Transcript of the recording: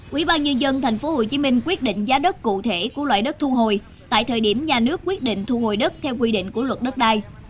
quỹ ba nhân dân tp hcm quyết định giá đất cụ thể của loại đất thu hồi tại thời điểm nhà nước quyết định thu hồi đất theo quy định của luật đất đai